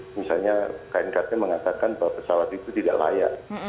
misalnya knkt mengatakan bahwa pesawat itu tidak layak